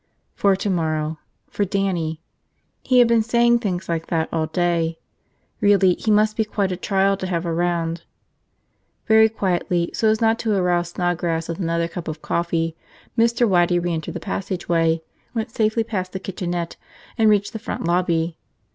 For tomorrow. For Dannie. He had been saying things like that all day. Really, he must be quite a trial to have around. Very quietly, so as not to arouse Snodgrass with another cup of coffee, Mr. Waddy re entered the passageway, went safely past the kitchenette, and reached the front lobby.